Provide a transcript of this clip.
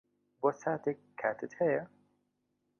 بۆ ساتێک کاتت ھەیە؟